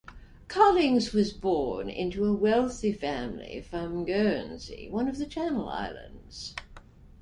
Collings was born into a wealthy family from Guernsey, one of the Channel Islands.